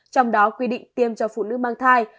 trong đó quy định tiêm cho phụ nữ mang thai